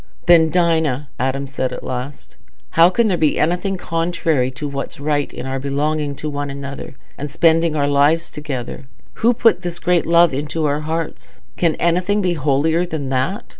"Then, Dinah," Adam said at last, "how can there be anything contrary to what's right in our belonging to one another and spending our lives together? Who put this great love into our hearts? Can anything be holier than that?